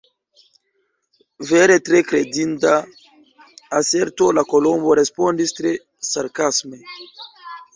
"Vere tre kredinda aserto!" la Kolombo respondis tre sarkasme.